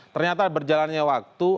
ternyata berjalannya waktu